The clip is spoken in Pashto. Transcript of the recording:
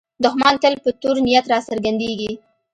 دښمن تل په تور نیت راڅرګندېږي